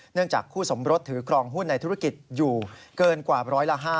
เนื่องจากคู่สมบรสถือครองหุ้นในธุรกิจอยู่เกินกว่า๑๐๐ละ๕